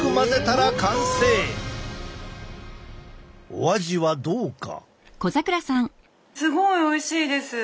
お味はどうか？